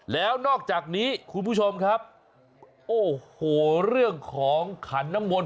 แล้วนอกจากนี้คุณผู้ชมครับโอ้โหเรื่องของขันน้ำมนต